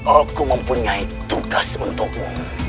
aku mempunyai tugas untukmu